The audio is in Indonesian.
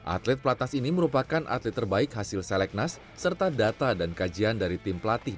atlet pelatnas ini merupakan atlet terbaik hasil selek nas serta data dan kajian dari tim pelatih dan kemisi